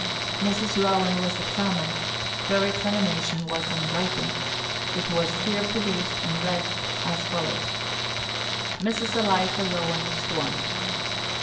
Mrs. Rowand was examined; her examination was in writing; it was here produced, and read, as follows: "Mrs. Eliza Rowand sworn.